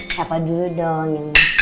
siapa dulu dong yang masak